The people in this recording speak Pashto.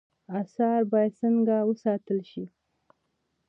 آثار باید څنګه وساتل شي؟